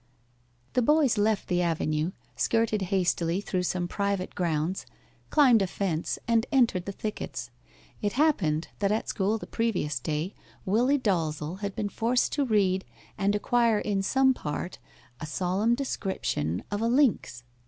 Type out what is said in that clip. The boys left the avenue, skirted hastily through some private grounds, climbed a fence, and entered the thickets. It happened that at school the previous day Willie Dalzel had been forced to read and acquire in some part a solemn description of a lynx.